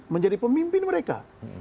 menjadi pemimpin mereka